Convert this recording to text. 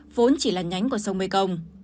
vốn chỉ là nhánh của sông mekong